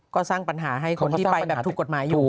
ก็สร้างปัญหาให้คนที่ไปแบบถูกกฎหมายอยู่